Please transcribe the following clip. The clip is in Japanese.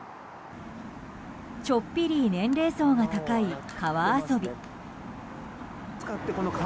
ちょっぴり年齢層が高い川遊び。